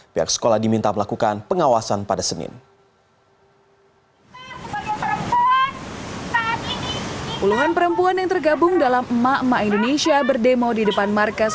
pihak sekolah diminta melakukan pengawasan pada senin